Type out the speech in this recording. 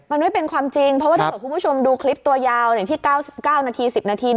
มันไม่เป็นความจริงเพราะว่าถ้าเกิดคุณผู้ชมดูคลิปตัวยาวอย่างที่๙นาที๑๐นาที